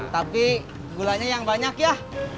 tapi gulanya yang banyak ya